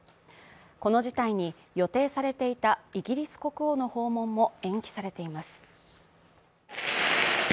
この事態に予定されていたイギリス国王の訪問も延期されています。